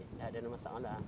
tidak ada masalah